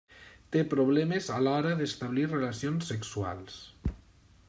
Té problemes a l'hora d'establir relacions sexuals.